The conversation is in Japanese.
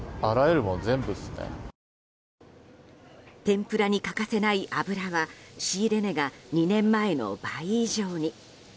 天ぷらに欠かせない油は仕入れ値が２年前の倍以上に。